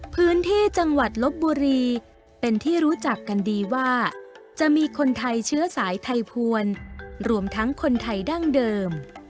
พื้นที่จังหวัดลบบุรีเป็นที่รู้จักกันดีว่าจะมีคนไทยเชื้อสายไทยพวนรวมทั้งคนไทยดั้งเดิม